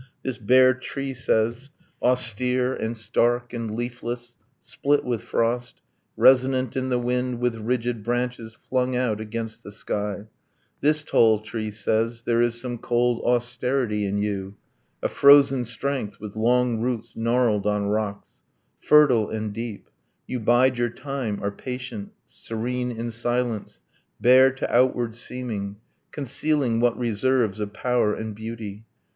This bare tree says, Austere and stark and leafless, split with frost, Resonant in the wind, with rigid branches Flung out against the sky, this tall tree says, There is some cold austerity in you, A frozen strength, with long roots gnarled on rocks, Fertile and deep; you bide your time, are patient, Serene in silence, bare to outward seeming, Concealing what reserves of power and beauty!